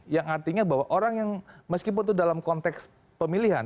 yang artinya bahwa orang yang meskipun itu dalam konteks pemilihan